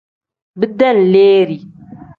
Bidenleeri.